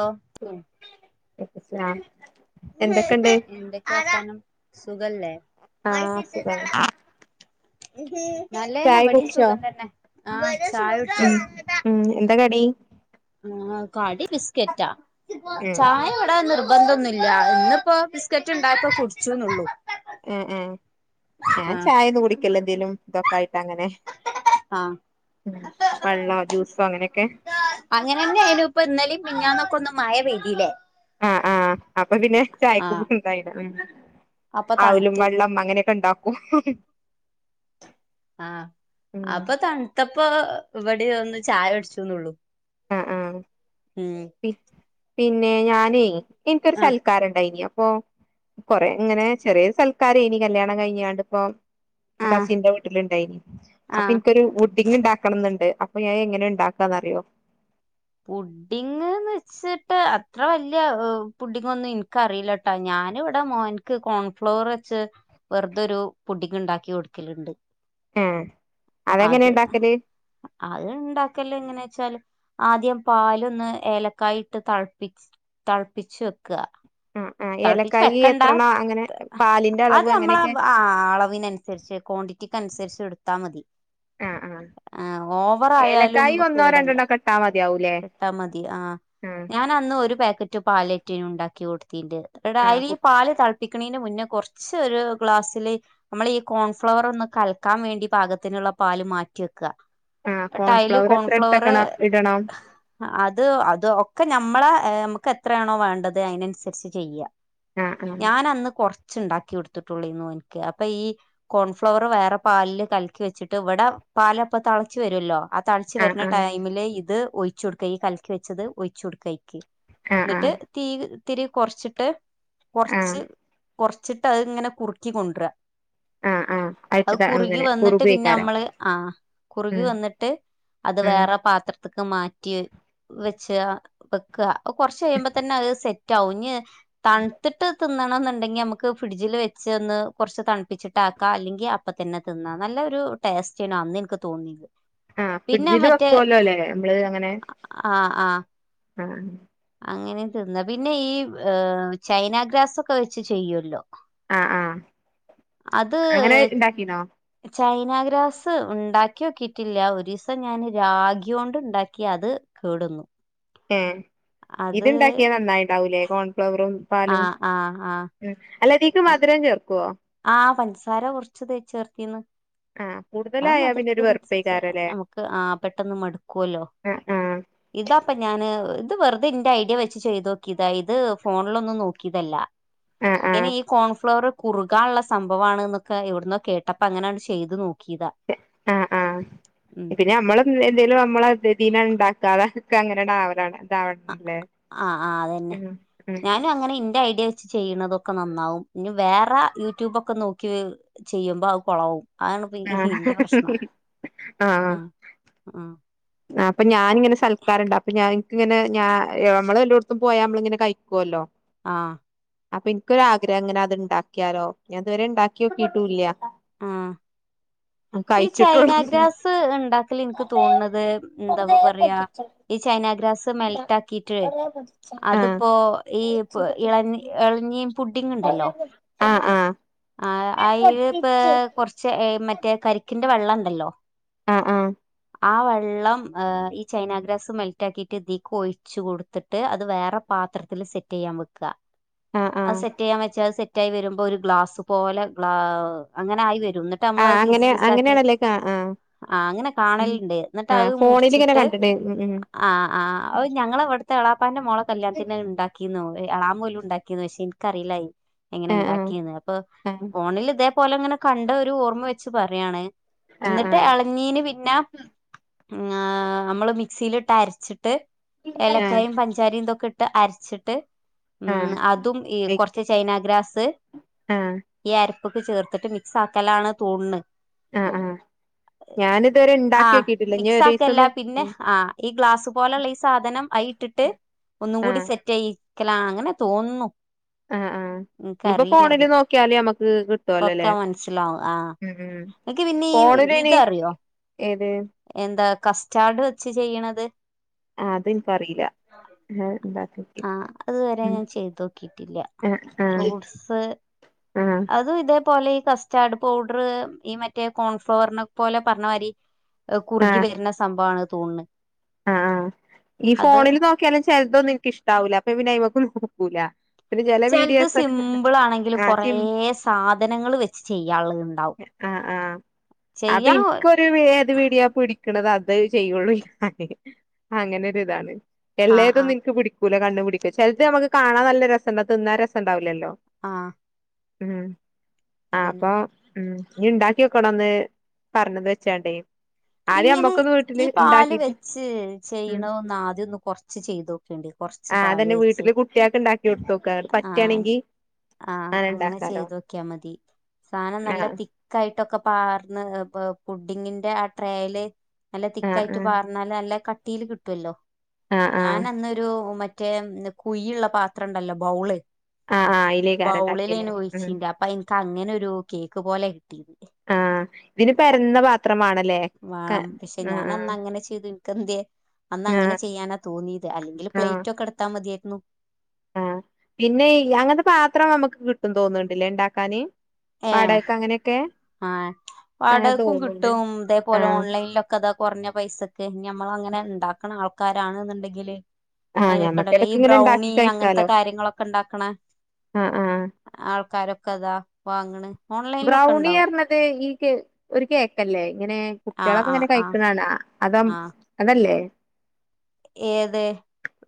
ഓ ഉം [unintelligible] എന്തൊക്കെണ്ട് എന്തൊക്കെ വർത്താനം സുഖല്ലേ ആഹ് സുഖാണ് നല്ലേന്നെ ചായ ഇവടീം കുടിച്ചോ സുഖം തന്നെ ആ ചായൊട്ച്ചു ഉം ഉം എന്താ കടി ആ കടി ബിസ്കറ്റാ ഉം ചായ വടെ നിർബന്ധ ഒന്നുല്ല ഇന്ന്പ്പോ ബിസ്ക്കറ്റ് ഇണ്ടായപ്പോ കുട്ച്ച്ന്നൊള്ളൂ ഏ ഏ ഞാൻ ചായന്നും കുടിക്കൽല്ല എന്തേലും ഇതൊക്കെ ആയിട്ട് അങ്ങനെ ആഹ് വള്ളോ ജ്യൂസോ അങ്ങനെയെക്കെ അങ്ങനെന്നെയിനു ഇപ്പ ഇന്നലിം മിഞ്ഞാന്നൊക്കെ ഒന്നു മഴ പേയ്തിലെ ആ ആ അപ്പ പിന്നെ ചായക്കൂ ആഹ് ന്തായിലെ അപ്പൊ ഔലും തണുത്തു വള്ളം അങ്ങനെക്കെ ഇണ്ടാക്കും ആ ഉം അപ്പ തൺത്തപ്പൊ ഇവടി ഒന്ന് ചായൊട്ച്ചുന്നൊള്ളു ആ ആ പിന്നെ ഞാനേ ഇൻക്കൊരു സൽ ആഹ് ക്കാരണ്ടയിനി അപ്പൊ കൊറെ ഇങ്ങനെ ചെറിയ ഒര് സൽക്കാരെനി കല്യാണം കഴിഞ്ഞാണ്ട് ഇപ്പൊ ആഹ് കസിന്റെ വീട്ടില് ഇണ്ടായിനി അപ്പ ആഹ് ഇൻക്കൊരു വുഡിങ് ഇണ്ടാ ക്കണംന്ന്ണ്ട് അപ്പ ഞാൻ എങ്ങനെ ഇണ്ടാക്കാന്നറിയോ പു ഡിങ്ന്ന് വെച്ട്ട് അത്ര വല്ല്യ പുഡിങ്ങൊന്നും ഇൻക്കറിയില ട്ടോ ഞാന് വടെ മോൻ ക്ക് കോൺഫ്ലവർ വെച്ച് വെർതൊരു പുടിങ് ഇണ്ടാക്കി കൊട്ക്കല്ണ്ട് ഏ അതെങ്ങനെ ഇണ്ടാക്കല് അത് ഇണ്ടാക്കല് എങ്ങനേച്ചാല് ആദ്യം പാലൊന്ന് ഏലക്കായിട്ട് തൾപ്പിച്ച് തൾപ്പിച്ചു വെക്ക ആഹ് ആഹ് തൾപ്പിച്ച് ഏലക്കായി വെക്കണ്ട എത്രണോ അങ്ങനെ പാലിന്റെ അത് അളവ് നമ്മള അങ്ങനെയൊക്കെ ആ അളവിനൻസര്ച്ച് കോണ്ടി റ്റിക്കൻസര്ച്ച് ഇട്ത്താ മതി ആ ആ ഓവറായാലും എലക്കായി ഒന്നോ കേടല്ലേ രണ്ടെണ്ണോക്കെ ഇട്ടാ മതിയാവൂലേ ഇട്ടാ മതി ആഹ് ആ ഞാൻ അന്ന് ഒരു പാക്കറ്റ് പാലറ്റെനു ഇണ്ടാക്കി കൊട്ത്തീന്റത് എടാ ആഹ് അയില് കു ഈ പാല് തൾ പിക്കിണീന്റെ മുന്നേ കൊർച്ച് ഒരു ഗ്ലാസ്സില് അമ്മള് ഈ കോൺഫ്ലവറൊന്ന് കൽക്കാം വേണ്ടി പാകത്തിന്ള്ള പാല് മാറ്റി വെക്കാ ആഹ് ടൈല് കോൺഫ്ലവർ എത്ര കോൺഫ്ലവറ് എടുത്തക്കണം ഇടണം അത് അത് ഒക്ക ഞമ്മള എ നമ്മക്കെത്രാണോ വേണ്ടത് അയിനൻസര്ച്ച് ചെയ്യാ ആഹ് ആഹ് ഞാനന്ന് കൊർച്ച് ഇണ്ടാക്കി കൊട്ത്തിട്ടുള്ളെന്നു ഓൻക്ക് അപ്പ ഈ കോൺഫ്ലവറ് വേറെ പാൽല് കൽക്കി വെച്ച്ട്ട് ഇവടെ പാലപ്പ തെൾച്ച് വരോല്ലോ അ തൾച്ച് ആഹ് വര്ണ ആഹ് ടൈമില് ഇത് ഒയിച്ച് കൊടുക്ക ഈ കൽക്കി വെച്ചത് ഒയിച്ചു കൊടുക്കയി ആഹ് ന്നട്ട് ആഹ് തീ ഇത്തിരി കൊർച്ച്ട്ട് ആഹ് കൊർച്ച് കൊർച്ച്ട്ട് അത് ഇങ്ങനെ കുറുക്കി കൊണ്ട്രാ ആഹ് ആഹ് അത് ആയിട്ടത കുറുകി അങ്ങനെ വന്ന്ട്ട് പിന്നെ കുറുകേക്കാരം അമ്മള് ആ കുറുകി ഉം വന്ന്ട്ട് അത് ഉം വേറെ പാത്ര ത്ക്ക് മാറ്റി വെച്ചാ വെക്കാ അത് കൊർച്ച് കയിയുമ്പോ തന്നെ അത് സെ റ്റാവും ഇഞ്ഞ് തൺത്ത്ട്ട് തി തിന്നണം ന്ന്ണ്ടെങ്കി അമ്മക്ക് ഫ്രിഡ്ജില് വെച്ച് ഒന്ന് കൊർച്ച് തൺപ്പിച്ചിട്ടാക്കാ അല്ലെങ്കി അപ്പ തന്നെ തിന്നാ നല്ലരു ടേസ്റ്റേണു അന്ന്ഇൻക്ക് തോന്നിയത് ആഹ് പിന്നെ ഫ്രിഡ്ജില് മറ്റേ വെക്കുവല്ലോ ല്ലേ അമ്മള് അങ്ങനെ ആ ആ ആഹ് അങ്ങനെ തിന്നാ പിന്നെ ഈ ചൈനാഗ്രാസൊക്കെ വെച്ച് ചെയ്യൊല്ലോ ആഹ് ആഹ് അത് അങ്ങനെ ഇണ്ടാക്കീനോ ചൈനാഗ്രാസ് ഉണ്ടാക്കിയോക്കീട്ടില്ല ഒരീസം ഞാന് രാഖിയൊണ്ട് ഇണ്ടാക്കി അത് കേടൊന്നു ഏ ഇത് ഇണ്ടാക്കിയാ നന്നായിണ്ടാവൂലേ കോൺഫ്ലവറും പാ ആഹ് ആഹ് ആഹ് ഉം അല്ലതീക്ക് മധുരം ചേർക്കൊ ആഹ് പഞ്ചസാര കൊറച്ച് തേച്ച് ചേർത്തീന്ന് ആഹ് കൂടുത അഹ് മധുരത്തിനൻസരിച്ച് നമുക്ക് ആഹ് പെട്ടന്ന് മടുക്കൊല്ലോ ആഹ് ആഹ് ഇതപ്പൊ ഞാന് ഇത് വെറുതെ ഇന്റെ ഐഡിയ വെച്ച് ചെയ്ത് നോക്കിയതാ ഇത് ഫോണിലൊന്നും നോക്കീതല്ല ആഹ് ഇനി ആഹ് ഈ കോൺഫ്ലവർ കുറു കാള്ള സംഭവാണ് ന്നൊക്കെ എവിടന്നോ കേട്ടപ്പ അങ്ങനെയാണ് ചെയ്ത് നോക്കീതാ ആഹ് ആഹ് പിന്നെ അമ്മള് എന്തെേലും അമ്മള് അതി ലാണ് ഇണ്ടാക്കാ അതൊക്കെ അങ്ങനെ ആണ്ട്ആവലാണ് ആ ആ അതന്നെ [unintelligible] മ് മ് [unintelligible] അങ്ങനെ ഇന്റെ ഐഡിയ വെച്ച് ചെയ്യണതൊക്കെ നന്നാവും ഇനി വേറെ യൂട്യൂബൊക്കെ നോക്കി ചെയ്യുമ്പോ ആവും കൊളാവും അതാണ്പ്പ ഈ ആഹ് ഇന്റെ പ്രശ്നം ആഹ് അഹ് അഹ് അപ്പൊ ഞാനിങ്ങനെ സൽക്കാരണ്ട് അപ്പൊ ഞാ എനിക്കിങ്ങനെ ഞാ യമ്മള് എല്ലോടത്തും പോയാ അമ്മള് ഇങ്ങനെ കയിക്കൊല്ലൊ ആഹ് അപ്പൊ എനിക്കൊരാഗ്രഹം ഇങ്ങനെ അത് ഇണ്ടാക്കിയാലോ ഞാഇതുവരെ ഇണ്ടാക്കി ഓക്കിട്ടും ഇല്ല്യാ ആഹ് ഈ ചൈനാഗ്രാസ് ഇണ്ടാക്കല് ഇൻക്ക് തോന്നണത് എന്താപ്പ പറയാ ഈ ചൈനാഗ്രാസ് മെൽറ്റ് ആക്കിട്ട് ആഹ് അതിപ്പോ ഈഎള എളഞ്ഞി ആഹ് ആഹ് ആഹ് അയില്പ്പ ച്ച് കൊറച്ച് മറ്റേ കരിക്കിന്റെ വെള്ളം ഇണ്ടല്ലോ ആഹ് ആഹ് ആ വെള്ളം ഈ ചൈനാഗ്രാസ് മെൽറ്റ് ആക്കിയിട്ട് ഇതിക്ക് ഒഴിച്ചു കൊടുത്തി ട്ട് അത് വേറെ പാത്രത്തിൽ സെറ്റ് ചെയ്യാൻ വെക്ക ആഹ് അത് ആഹ് സെറ്റ് ചെയ്യാൻ വെച്ചാ സെറ്റ് ആയി വര്മ്പോഒരു ഗ്ലാസ് പോലെ ഗ്ല അങ്ങനെ ആയി വരും ട്ട് നമ്മള് ആഹ് അങ്ങനെ അത്പീസ് പീസാക്കി അങ്ങനെയാണല്ലേ ആഹ് ആഹ് ആഹ് അങ്ങനെ കാണല്ണ്ട് ന്നട്ട് ആഹ് അത് ഫോണിലിങ്ങനെ മുറിച്ചിട്ട് കണ്ടിണ് ഉം ഉം ആഹ് ആ്ഓ ഞങ്ങൾ അവിടുത്തെ എളാപ്പാന്റെ മൊള കല്യാണത്തിന് അത് ഇണ്ടാക്കീന്നു എളാമ പോലും ഉണ്ടാക്കിന്നേ പക്ഷെ ഇ ഇൻക്കറീല അത് എങ്ങനെ ആഹ് ഉണ്ടാക്കീന്ന് അപ്പൊ ആഹ് ഫോണിൽ ഇതേപോലെ ങ്ങനെ കണ്ട ഒരു ഓർമ്മ വെച്ച് പറയാണ് ആഹ് ന്നട്ട് ആഹ് ഇളഞ്ഞീന് പിന്നെ നമ്മള് മിക്സിയിലിട്ട് അരച്ചിട്ട് ഏലക്കായിം പഞ്ചാ ഞ്ചാര ഇന്തൊക്കെ ഇട്ട് അരച്ചിട്ട് ആഹ് ആഹ് ഉം ആഹ് അതും ഈ എ കൊറച്ച് ചൈനാഗ്രാസ് ആഹ് ഈ അരപ്പ്ക്ക് ചേർ ത്തിട്ട് മിക്സ് ആക്കലാണ് തോണ് ആഹ് ആഹ് ഞാനിതുവരെ ഇണ്ടാക്കി ആഹ് നോക്കിട്ടില്ല ഇനി മിക്സ് ഒരീസം ആക്കല്ല ഒന്ന് പിന്നെ ഉം ആഹ് ഈ ഗ്ലാസ് പോലെയുള്ള ഈ സാധനം അയില് ഇട്ടിട്ട് ഒന്നും കൂടി ആഹ് സെറ്റ് ചെയയിക്കല അങ്ങനെ തോന്നു ആഹ് ആഹ് ഇഞ്ഞി യിപ്പോ ഫോണില് നോക്കിയാല് നമ്മക്ക് കി കൊക്ക മനസ്സിലാ ഇങ്ങക്ക് പിന്നെ ഈ ഫോണില് അയിന് ഇതറിയോ ഏത് എന്താ കസ്റ്റാർഡ് വെച്ച് ചെയ്യണത് അതിൻക്കറിയില്ല എന്താ ആഹ് അതുവരെ ഞാൻ ചെയ്തോക്കിട്ടില്ല ആഹ് ആഹ് ഫ്രൂട്ട്സ് ആഹ് അതും ഇതേപോലെ ഈ കസ്റ്റാർഡ് പൗഡറ് ഈ മറ്റേ കോൺഫ്ലവറിനെ പോലെ പറഞ്ഞ മാരി ഏഹ് കുറുകി ആഹ് വരുന്ന സംഭവാ ണ് തോന്നന്ന് ആഹ് ആഹ് ഈ ഫോണിൽ നോക്കിയാലും ചെലതൊന്നും ഇൻക്ക് ഇഷ്ടാവൂല്ല അപ്പൊ പിന്നെ അയ്മ്മക്ക് നോക്കൂല പിന്നെ ചെല ചെലത് വീഡിയോസൊക്കെ സിമ്പിൾ ആണെങ്കിലും ആഹ് കുറേ സിം സാധനങ്ങൾ വെച്ച് ചെയ്യാനുള്ളത് ഉണ്ടാവും ആഹ് ആഹ് അപ്പൊ ചെയ്യാം ഇൻക്കൊരു ഏത് വീഡിയോ പിടിക്കണത് അത് ചെയ്യുള്ളൂ ഞാന് അങ്ങനെ ഒരു ഇതാണ് ആഹ് എല്ലേതൊന്നും ആഹ് ഇൻക്ക് പിടിക്കൂല കണ്ണ് പിടിക്ക ചിലത് നമക്ക് കാണാൻ നല്ല രസണ്ടാ തിന്നാ രസണ്ടാവില്ലല്ലോ ആഹ് ഉം ആഹ് അതന്നെ അപ്പൊ ഉം ഇനി ഉണ്ടാക്കി നോക്കണോന്ന് പറഞ്ഞത് വെച്ചാണ്ടേ ആദ്യം അമ്മക്കൊന്ന് വീട്ടില് ഉണ്ടാക്കീട്ട് ഇയ്യ് ചെയ്യണതൊന്ന് ആദ്യം ഒന്ന് കൊറച്ച് ചെയ്ത് നോക്കേണ്ടി കൊറച്ച് പാല് വെച്ച് കുട്ട്യായ്ക്ക് ഇണ്ടാക്കി കൊടുത്തു ആഹ് ആഹ് അങ്ങനെ ഇണ്ടാക്കാലോ ചെയ്തു നോക്കിയാ മതി സാധനം ആ നല്ല തി തക്കായിട്ടൊക്കെ പാർന്ന് പുഡിങ്ങിന്റെ ആ ട്രയല് നല്ല ആ ആ തിക്കായിട്ട് പാർ ന്നാല് നല്ല കട്ടീല് കിട്ടോലോ ആ ആ രു മറ്റേ കുഴിള്ള പാത്രം ഇണ്ടല്ലോ ബൗള് ആ ആ അയിലേക്കാരം ഇണ്ടാക്കിയല്ലേ ബൗളിലയ്നു ഉം ഒഴിച്ചീന്റെ അപ്പൊ എനക്ക് അങ്ങനെ ഒരു കേക്ക് പോലെ കിട്ടീ ആഹ് ഇതിന് പരന്ന പാ ത്രം മാണല്ലേ വാണം പക്ഷെ ഞാൻ അന്ന് അങ്ങനെ ചെയ്തു ഇൻക്ക് എന്തെ അന്ന് ആ അങ്ങനെ ചെയ്യാനാ തോന്നിയത് അല്ലെങ്കിൽ ആ പ്ലേറ്റൊക്കെ എടുത്താ മതിയായിരുന്നു ആഹ് പിന്നെയ് അങ്ങനത്തെ പാത്രം നമുക്ക് കിട്ടും തോന്നുണ്ടില്ലേ ഉണ്ടാക്കാന് ഏഹ് വാടകക്ക് അങ്ങനെയൊക്കെ ആഹ് അങ്ങനെ വാടകക്കും തോന്നുന്നുണ്ട് കിട്ടും ഇതേപോലെ ആഹ് ഓൺലൈനിലൊക്കെ ക്കെതാ കുറഞ്ഞ പൈസക്ക് ഞമ്മൾ അങ്ങനെ ഉണ്ടാക്കണ ആൾക്കാരണെന്നുണ്ടെങ്കില് ആഹ് അയ്നൊക്കെ ഞമ്മക്ക് ഉണ്ടല്ലോ ഇടക്ക് ഈ ഇങ്ങനെ ഉണ്ടാക്കി ബ്രൗണി അങ്ങനത്തെ കഴിക്കാലോ കാര്യങ്ങളൊക്കെ ഇണ്ടാക്കണ ആഹ് ആഹ് ആൾക്കാരൊക്കെ അതാ വാങ്ങ്ണ് ബ്രൗണി അറഞ്ഞത് ഈ കേ ഒരു കേക്കല്ലേ ഇങ്ങനെ ആഹ് കുട്ടികളൊക്കെ ആഹ് ഇങ്ങനെ ആഹ് കഴിക്കണാണാ അതും ആഹ് അതല്ലേ ഏത്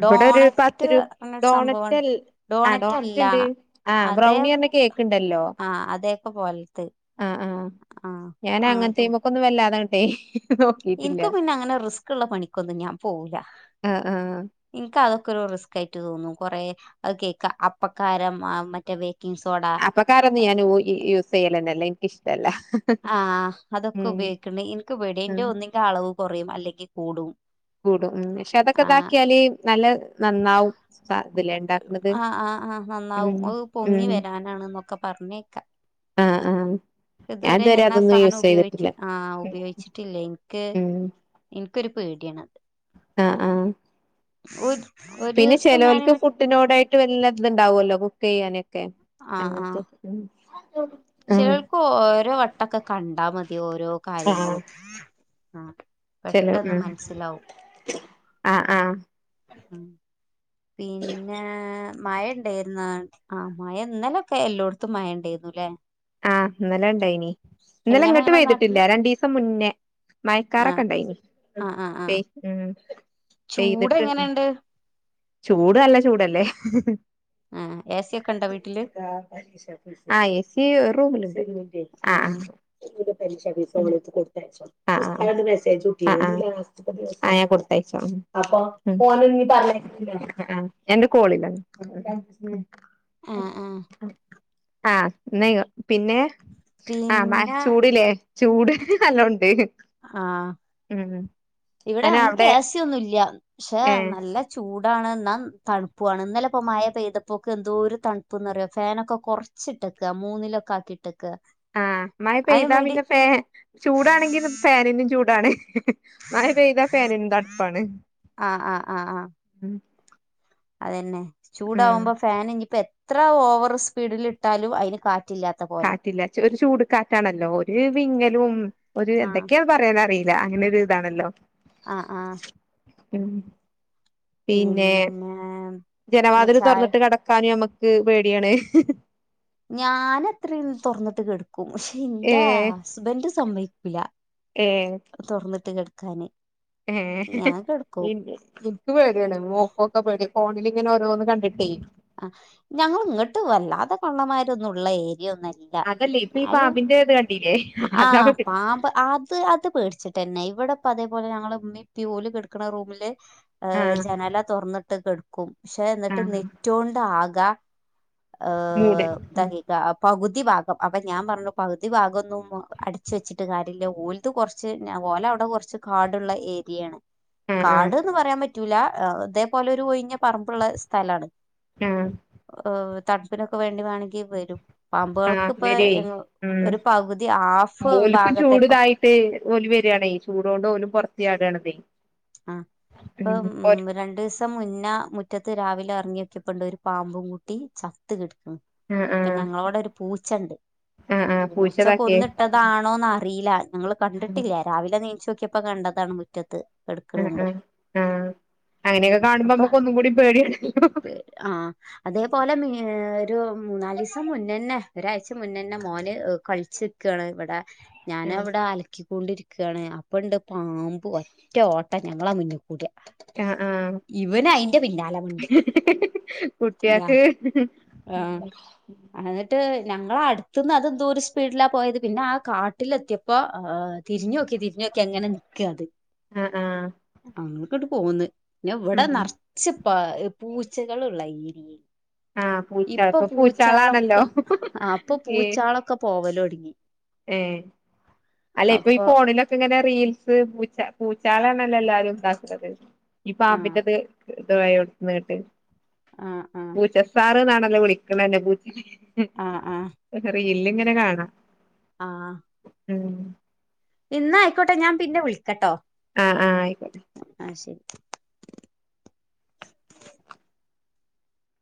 ഇവിടെ ഒരു പത്ത് ഡോണറ്റ് രൂ അങ്ങനൊര് ഡോണറ്റ് സംഭവണ്ട് ആഹ് ഡോണറ്റ് അല്ല ഉണ്ട് ആഹ് അതെ ബ്രൗണി പറഞ്ഞ കേക്ക് ഉണ്ടല്ലോ ആഹ് അതെയൊക്കെ പോലത്ത് ആഹ് ആഹ് ഞാൻ അങ്ങനത്തെയ്മക്കൊന്നും വല്ലാതങ്ങട്ടെ നോ ഇൻക്ക് പിന്നെ അങ്ങനെ റിസ്ക് ഉള്ള പണിക്കൊന്നും ഞാൻ പോവില്ല ആഹ് ആഹ് ഇൻക്ക് അതൊക്കെ ഒരു റിസ്ക് ആയിട്ട് തോന്നും കൊറെ അത് കേക്ക അപ്പക്കാരം മറ്റേ ബേക്കിംഗ് സോഡ അപ്പകാരൊന്ന് ഞാൻ യൂസ് ചെയ്യലന്നെല്ല ഇൻക്കിഷ്ടല്ല ആഹ് അതൊക്കെ ഉപയോഗിക്കണ്ട് ഇൻക്ക് പേടിയാ ഇന്റെ ഒന്നിന്റെ അളവ് കൊറയും അല്ലെങ്കി കൂടും കൂടും ഉം പക്ഷെ അതൊക്കെ ആഹ് ഇതാക്കിയാല് നല്ല നന്നാവും ഇതില്ലെ ഉണ്ടാക്കണത് ആഹ് ഉം ഉം ആണെന്നൊക്കെ പറഞ്ഞേക്കാ ആഹ് ആഹ് ഇതുവരെ ഞാൻ ആ അതൊന്നും സാനം യൂസ് ഉപയോഗിച്ചി ചെയ്തിട്ടില്ല ആ ഉപയോഗിച്ചിട്ടില്ല ഇൻക്ക് ഉം ഇൻക്കൊരു പേടിയാണത് ആഹ് ആഹ് ഉര് പിന്നെ ചിലോല് ക്ക് ഫുഡിനോടായിട്ട് വല്ലതുണ്ടാവുമല്ലോ കുക്ക് ചെയ്യാനൊക്കെ ആഹ് അങ്ങനത്തെ ആഹ് ഉ ചിലർക്ക് ഓരോ വട്ടമൊക്കെ കണ്ടാൽ മതി ഓരോ കാര്യങ്ങളും. ആഹ് ചല പെട്ടെന്ന് ര് ഉ മനസ്സിലാവും ആഹ ആഹ് പിന്നെ മഴ ഉണ്ടായിുന്നോ? ആമഴ ഇ ന്നാലൊക്കെ എല്ലായിടത്തും മഴ ഉണ്ടന്നു അല്ലെ ആഹ് ഇന്നലെ ഇണ്ട യിനിം ഇന്നലെ എങ്ങനെ ഇങ്ങോട്ട് നിങ്ങളെ പെയ്തിട്ടില്ല നാട്ടില് രണ്ടു ദിവസം മുന്നേ മഴ ആ ക്കാറൊക്കെ ഇണ്ടായിനി ആ ആ ആ [unintelligible] ചൂട് എങ്ങനെയുണ്ട് ചൂട ന ല്ല ചൂടല്ലേ ആ ഏസി ഒക്കെ ണ്ടോ? ആ എ സസി ഒരു റൂമിലുണ്ട്. ആ ട്ടിന്റെ പരീക്ഷ വിീസ കൊടുത്തായച്ചോ? മെസ്സേജ് വിട്ടിരുന്നു ആ ഞാൻ കൊടുത്തയച്ചോ അപ്പ ഒ ന് ഞ് പറ ആഹ എനന്ത് കോളില്ല ആ ആ ആ എന്ന പിന്നെ ആഹ് മ ഴ പിന്നെ ചൂടല്ലേ ചൂട് നല്ലോം ഉണ്ട് ഉം. അനെ ഇവിടെഞങ്ങൾക്ക് അവിടെ എ സി ന്നുമല്ല പക്ഷെ ഏഹ് നല്ല ചൂടാണ് എന്നാ തണുപ്പുാണ്. ഇന്നലെപ്പോ മഴ പെയ്തപ്പോൊക്ക്എന്തോ ഒരു തണുപ്പ്ന്ന് പറയോ ഫാനൊക്കെ കുറച്ച് റ ച്ചിട്ടക്ക മൂന്നിലൊക്കെ ആക്കിട്ടക്ക ആഹ മഴ അതിന് പെയ്താ വേണ്ടി പിന്നെ ഫാ ചൂടാണെങ്കിൽ ഫാനിന്നും ചൂടാണെങ്കിലും ഫാനിനും ചൂടാണ്. മാഴ പെയ്ത ഫെനിനും തണു പ്പാണ്. ആ ആ ആ ആ അതന്നെ ഉം ചൂടാവുമ്പോ ഫാാന് ഇ നി ഇപ്പോ എത്ര ഓവർ സ്പീഡിൽ ഇട്ടാലും അതിന് കാറ്റില്ലാത്ത പോലെ കാറ്റില്ല ഒരു ചൂട് കാാറ്റാണല്ലോ ഒരു വിങ്ങലും ഒരു ആഹ് എന്തൊക്കെയാ പറയാനറിയില്ല അങ്ങനെ രു ഇതാണല്ലോ. ആ ആഹ് ഉ പിന്നെ പിന്നെ ജനവാതില് ചായ തുറന്നിട്ട് കിടക്കൻ മ്മക്ക് പേടിയാണ്. ഞൻ അത്രയും തുറന്നിട്ട് കെടുക്കും പക്ഷെ ഏ എന്റെ ഹസ്ബൻഡ് സമ്മയ്ക്കില്ല. ഏ തുറന്നിട്ട് കിടക്കാന് ഏ ഞാൻ ഇ കിടക്കും [unintelligible] പേടിയാണ് മോക്കൊക്കെ പേട ഫോണിൽങ്ങനെ ഓരോന്ന് കണ്ടിട്ടേ. ആ ഞങ്ങൾ ഇങ്ങോട്ട് വല്ലാതെ കള്ളമാരൊന്നുംള്ള ഏരിയ ഒന്നുംല്ല. ല അതല്ലേ ഇപ്പൊ ഈ ന്നാലും പാമ്പിന്റെ ഇത് കണ്ടീല്ലേ ആ അതാ പേടി പാമ്പ് അത് അത് പേടിച്ചി തന്നെ ഇവിടെപ്പ അതേപോലെ ഞങ്ങള്ൾ മ്മ പ്പി കടക്കണ റൂമില് ആ ജനല തുറന്നിട്ട് കെടക്കും ക്ഷെ ആ ന്നിട്ട് നെറ്റോണ്ട ആകാ ഏ മൂട് ന്താ പകുതി ഭാഗം അപ്പൊ ഞാൻ പറഞ്ഞു പകുതി ഭാഗം ഒന്നും അടിച്ച വെച്ചിട്ട് കാര്യമില്ല ഓലത് കുറച്ച് ഞ പോലെ അവിടെ കുറച്ച് കാടുള്ള ഏരിയാണ്. ആ ആ കാട്ന്ന് പറയാൻ പറ്റൂല ഇതേപോലെ ഒരു ഒഴിഞ്ഞ പറമ്പിലുള്ള സ്ഥലണ്. ആഹ് തണുപ്പിനൊക്കെ വേണ്ടി വേണമെങ്കിൽ വരും. ആ പാമ്പുകൾക്ക് ഇപ്പ വരുവേ ഉം ഒരു പകുതി ഹാഫ് ഭാഗത്തെ ഇപ്പൊ ഒലി വരിണേ ചൂടൊണ്ട് ഓലും പുറത്തി ചാടുണതേ. ആ ഇപ്പ ഇപ്പം രണ്ട് ദിവസ പച്ച മുന്ന മുറ്റത്ത് രാവിലെ ഇറങ്ങിക്കിപ്പണ്ട് ഒരു പാമ്പും കൂട്ടി ചത്ത് കിടക്കു ആഹ് അപ്പൊ ആഹ് ഞങ്ങളോവിടെ ഒരു പൂച്ച ഉണ്ട് ആഹ് ആഹ് പൂച്ചക്ക പൂച്ചതാക്കിയേ ഒന്നിട്ട അതാണോന്ന അറിയില്ല ഞങ്ങൾ ആഹ് കണ്ടിട്ടില്ല രാവിലെ നീചോക്കിയപ്പോ കണ്ടതാണ് മുറ്റത്ത്. ആഹ് കെടക്ക്ണണ്ട് ആഹ് ആഹ് അങ്ങനെയൊക്കെ കാണുമ്പോ അപ്പൊ നമ്മക്ക് ഒന്നും കൂടി പേടിയണല്ലോ. ആഹ് അതേപോലെ ഉം ഒരു മൂന്നാല് ദിവസം മുന്നന്നെ ഒരാഴ്ച മുന്നന്നെ മോന് കളിച്ചി ണ് ഇവിടെ ഞാന അവിടെ അലക്കിക്കൊണ്ടിരിക്കുകയാണ് അപ്പ ഇണ്ട് പാമ്പ് ഒറ്റ ഓട്ടം ഞങ്ങളാ മുന്നി കൂടിയ ആഹ് ആഹ് ഇവന് അയ്ന്റെ പിന്നാല കുട്ടിയാക്ക് ന്നിട്ട് ഞങ്ങള അടുത്തന്ന് അതെന്തോ ഒരു സ്പീഡിലാ പോയത് പിന്നെ ആഹ് കാട്ടിലെത്തിയ പ്പൊ തിരിഞ്ഞു നോക്കി തിരിഞ്ഞോക്കങ്ങനെ നിക്ക അത്. ആഹ് ആഹ് ങ്ങൾക്കങ്ങട്ട് പോന്ന് പിന്ന ഇവിടെ ഉം നിറച്ച പൂ പൂച്ചകളള്ള ഏരിയൽ ആഹ് പൂച്ച ഇപ്പൊ പൂച്ചാളാണല്ലോ പൂച്ചാളൊക്കെ ആഹ് അപ്പൊ ഏ പൂച്ചാളൊക്കെ പോവലോടുങ്ങി. ഏഹ് അല്ലെ ഇപ്പൊ ഈ ഫോണിലൊ ഇങ്ങനെ റീൽസ് പൂച്ച പൂച്ചാളണല്ലോ എല്ലാരും ഇതാക്കുന്നത് ഈ ആ പാമ്പിന്റെത് ഇതായോടുത്തന്ന് കേട്ട് ആഹ് പൂച്ചസാർ എന്നാണല്ലോ വിളിക്കണന്നെ പൂ ആഹ് ആഹ് റീലിൽങ്ങനെ കാണാ. ആഹ് ഉം ഇന്ന ആയിക്കോട്ടെ ഞാൻ പിന്നെ വിളിക്കട്ടോ ആഹ് ആഹ് ആയിക്കോട്ടെ. ആഹ് ശരി